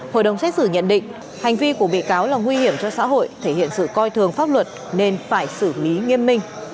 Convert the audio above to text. hội đồng xét xử nhận định hành vi của bị cáo là nguy hiểm cho xã hội thể hiện sự coi thường pháp luật nên phải xử lý nghiêm minh